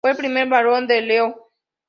Fue el primer varón de Leo.